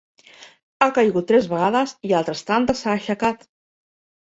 Ha caigut tres vegades i altres tantes s'ha aixecat.